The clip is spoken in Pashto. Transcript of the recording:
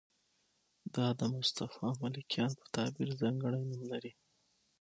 دا د مصطفی ملکیان په تعبیر ځانګړی نوم لري.